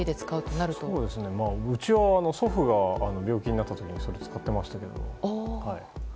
うちは、祖父が病気になった時それを使ってましたけど。